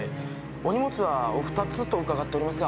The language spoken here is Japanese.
お荷物はお二つと伺っておりますが。